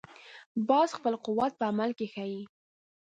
باز خپل قوت په عمل کې ښيي